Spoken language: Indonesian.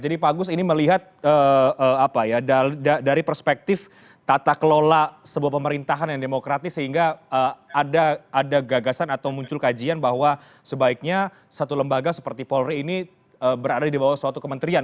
jadi pak agus ini melihat dari perspektif tata kelola sebuah pemerintahan yang demokratis sehingga ada gagasan atau muncul kajian bahwa sebaiknya satu lembaga seperti polri ini berada di bawah suatu kementerian